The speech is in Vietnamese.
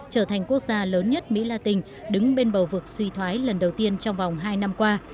trở thành quốc gia lớn nhất mỹ la tình đứng bên bầu vực suy thoái lần đầu tiên trong vòng hai năm qua